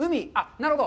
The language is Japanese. なるほど。